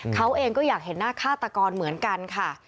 เขาเองก็อยากเห็นหน้าฆาตกรเหมือนกันค่ะ